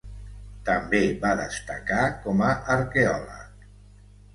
També va destacar com a arqueòleg.